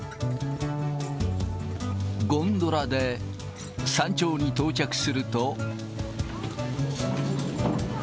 ゴンドラで山頂に到着すると。